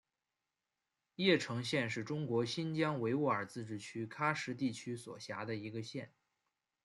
叶城县是中国新疆维吾尔自治区喀什地区所辖的一个县。